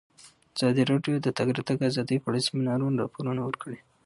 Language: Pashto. ازادي راډیو د د تګ راتګ ازادي په اړه د سیمینارونو راپورونه ورکړي.